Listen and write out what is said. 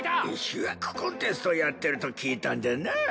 主役コンテストやってると聞いたんでなぁ。